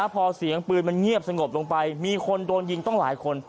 พอเสียงปืนมันเงียบสงบลงไปมีคนโดนยิงต้องหลายคน